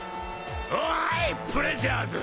おいプレジャーズ！